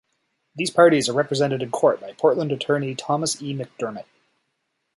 These parties are represented in court by Portland attorney Thomas E. McDermott.